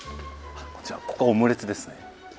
じゃあここはオムレツですね。